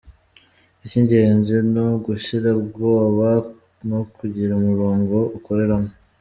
Icy’ingenzi ni ugushira ubwoba no kugira umurongo ukoreramo.